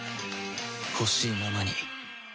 ほしいままに